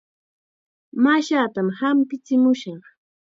Mashaatam hampichimushaq.